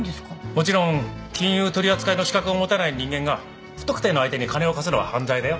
もちろん金融取り扱いの資格を持たない人間が不特定の相手に金を貸すのは犯罪だよ。